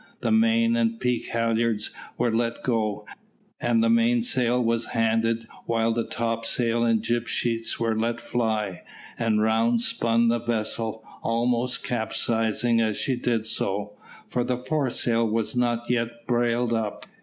The main and peak halyards were let go, and the mainsail was handed while the topsail and jib sheets were let fly, and round spun the vessel, almost capsizing as she did so, for the foresail was not yet brailed up.